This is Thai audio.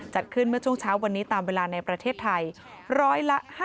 จัดขึ้นเมื่อช่วงเช้าวันนี้ตามเวลาในประเทศไทย๑๕